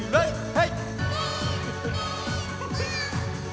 はい！